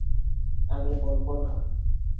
আমি বলবো না।